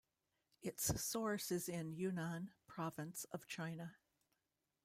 Its source is in Yunnan province of China.